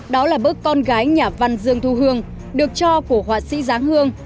đó là bức con gái nhà văn dương thu hương được cho của họa sĩ giáng hương